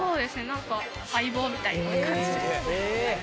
何か相棒みたいな感じです